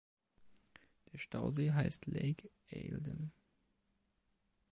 Der Stausee heißt Lake Eildon.